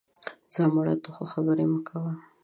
ځه مړه، ته خو خبرې مه کوه